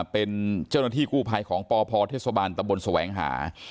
เป็นเจ้าหน้าที่กู้ภัยของปพเทศบาลตะบนแสวงหา